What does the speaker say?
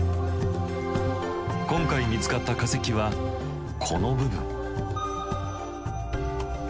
今回見つかった化石はこの部分。